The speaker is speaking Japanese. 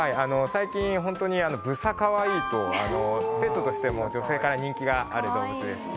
最近、本当にぶさかわいいと、ペットとしても女性から人気がある動物です。